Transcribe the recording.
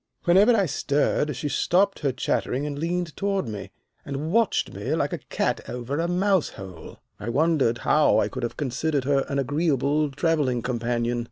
Whenever I stirred she stopped her chattering and leaned toward me, and watched me like a cat over a mouse hole. I wondered how I could have considered her an agreeable travelling companion.